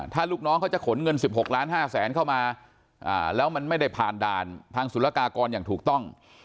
ถ้าลูกน้องเขาจะขนเงิน๑๖ล้าน๕แสนเข้ามาแล้วมันไม่ได้ผ่านด่านทางศุลกากรอย่างถูกต้อง